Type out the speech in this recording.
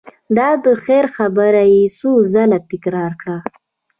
دا د خیر خبره یې څو ځل تکرار کړه.